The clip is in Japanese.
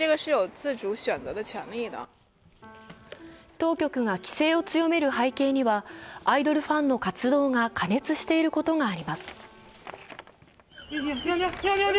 当局が規制を強める背景には、アイドルファンの活動が過熱していることがあります。